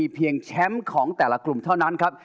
เพียงแชมป์ของแต่ละกลุ่มเท่านั้นครับ